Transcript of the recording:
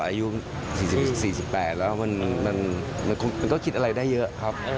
อายุ๔๘แล้วมันก็คิดอะไรได้เยอะครับ